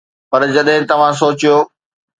پر جڏهن توهان سوچيو.